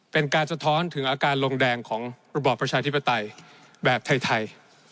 สะท้อนถึงอาการลงแดงของระบอบประชาธิปไตยแบบไทย